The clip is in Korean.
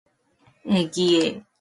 여기에 비애가 있고 비극이 생기는 것이다.